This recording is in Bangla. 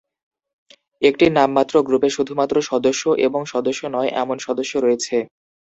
একটি নামমাত্র গ্রুপে শুধুমাত্র সদস্য এবং সদস্য নয় এমন সদস্য রয়েছে।